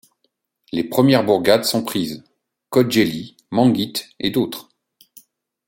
Les premières bourgades sont prises: Khodjeïli, Manguit et d'autres.